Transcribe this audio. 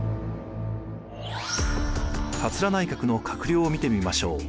桂内閣の閣僚を見てみましょう。